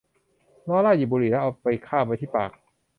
ลอร่าหยิบบุหรี่และเอาไปคาบไว้ที่ปาก